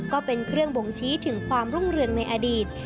ก็เป็นเครื่องบ่งชี้ถึงความรุ่งเรืองในอดีต